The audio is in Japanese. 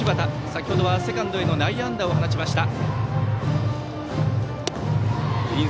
先程はセカンドへの内野安打を放ちました。